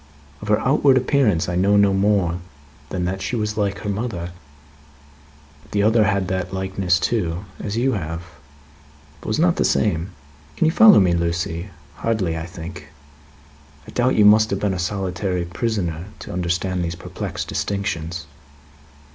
Of her outward appearance I know no more than that she was like her mother. The other had that likeness too as you have but was not the same. Can you follow me, Lucie? Hardly, I think? I doubt you must have been a solitary prisoner to understand these perplexed distinctions."